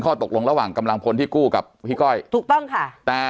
ข้อตกลงระหว่างกำลังพลที่กู้กับพี่ก้อยถูกต้องค่ะแต่